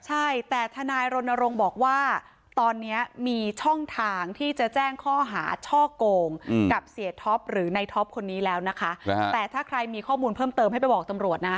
ใช่แต่ทนายรณรงค์บอกว่าตอนนี้มีช่องทางที่จะแจ้งข้อหาช่อโกงกับเสียท็อปหรือในท็อปคนนี้แล้วนะคะแต่ถ้าใครมีข้อมูลเพิ่มเติมให้ไปบอกตำรวจนะ